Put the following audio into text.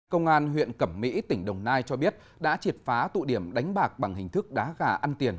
công an huyện cẩm mỹ tỉnh đồng nai cho biết đã triệt phá tụ điểm đánh bạc bằng hình thức đá gà ăn tiền